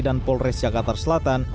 dan polres jakarta selatan